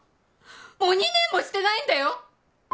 もう２年もしてないんだよ？